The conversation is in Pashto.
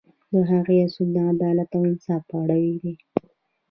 د هغه اصول د عدالت او انصاف په اړه دي.